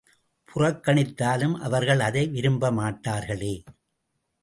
புறக்கணித்தாலும் அவர்கள் அதை விரும்பமாட்டார்களே!